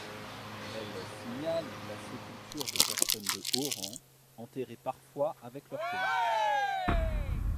Elles signalent la sépulture de personnes de haut rang, enterrés parfois avec leurs chevaux.